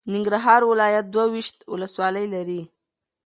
ننګرهار ولایت دوه ویشت ولسوالۍ لري.